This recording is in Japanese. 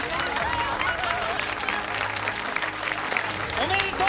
おめでとう！